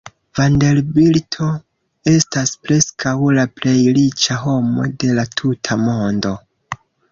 Vanderbilto estas preskaŭ la plej riĉa homo de la tuta mondo.